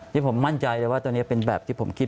ที่ผมมั่นใจเลยว่าตัวนี้เป็นแบบที่ผมคิด